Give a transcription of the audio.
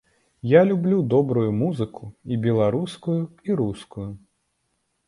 Я люблю добрую музыку, і беларускую, і рускую.